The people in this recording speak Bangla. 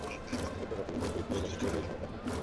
এটা তো গত পরীক্ষার রেজাল্টের চেয়েও বেশ ভালো, তাই না?